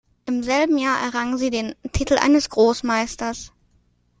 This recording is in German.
Im selben Jahr errang sie den Titel eines Großmeisters.